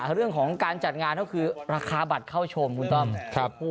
ในเรื่องของการจัดงานที่คือราคาบัตรเข้าชมต้มครับ